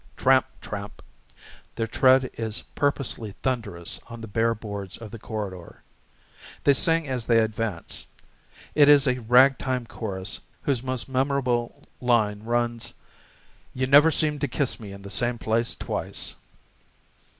Tramp, tramp! Their tread is purposely thunderous on the bare boards of the corridor. They sing as they advance. It is a ragtime chorus whose most memorable line runs, "You never seem to kiss me in the same place twice."